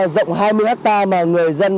rộng hai mươi hectare mà người dân